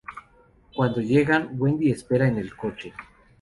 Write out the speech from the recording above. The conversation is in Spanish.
Cuando llegan Wendy espera en el coche.